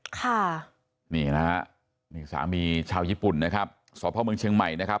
ค่ะนี่นะฮะนี่สามีชาวญี่ปุ่นนะครับสพเมืองเชียงใหม่นะครับ